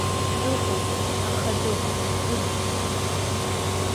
Дыҟоуп, аха дыҟам, дыӡхьеит.